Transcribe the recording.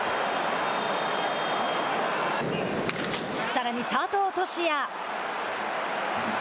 さらに佐藤都志也。